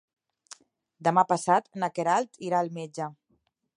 Demà passat na Queralt irà al metge.